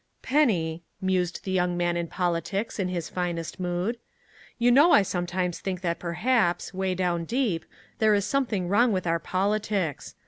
"Penny," mused the Young Man in Politics, in his finest mood, "you know I sometimes think that, perhaps, way down deep, there is something wrong with our politics.